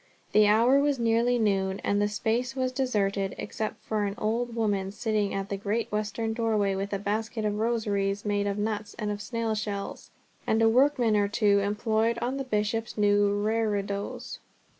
The hour was nearly noon, and the space was deserted, except for an old woman sitting at the great western doorway with a basket of rosaries made of nuts and of snail shells, and a workman or two employed on the bishop's new reredos.